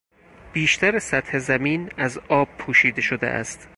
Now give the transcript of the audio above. بیشتر سطح زمین از آب پوشیده شده است.